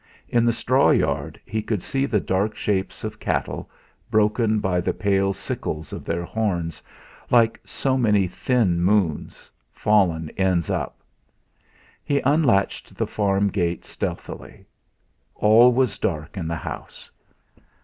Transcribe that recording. In the straw yard he could see the dark shapes of cattle, broken by the pale sickles of their horns, like so many thin moons, fallen ends up. He unlatched the farm gate stealthily. All was dark in the house.